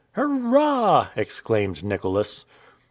"Hurrah!" exclaimed Nicholas.